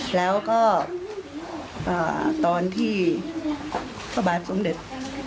แล้วก็ตอนที่พระบาทสมเด็จ